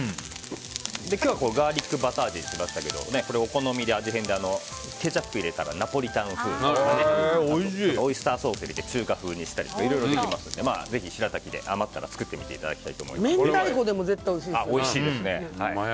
今日はガーリックバター味にしましたけどお好みで味変でケチャップ入れたらナポリタン風になったりオイスターソースを入れて中華風にしたりとかいろいろできますんでぜひしらたきが余ったら作ってみてください。